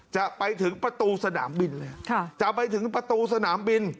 จะไปถึงประตูสนามบินเลยจะไปถึงประตูสนามบิน